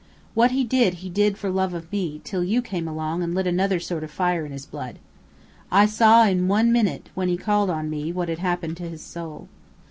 "What he did, he did for love of me, till you came along and lit another sort of fire in his blood. I saw in one minute, when he called on me, what had happened to his soul.